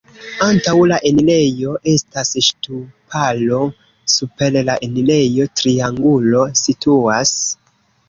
Antaŭ la enirejo estas ŝtuparo, super la enirejo triangulo situas.